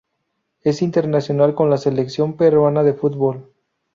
Es internacional con la Selección peruana de fútbol.